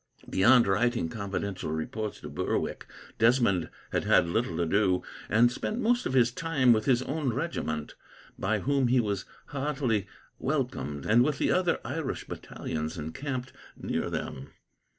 Beyond writing confidential reports to Berwick, Desmond had had little to do, and spent most of his time with his own regiment, by whom he was heartily welcomed, and with the other Irish battalions encamped near them.